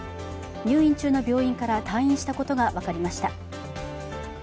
入院中の病院から退院したことが分かりました。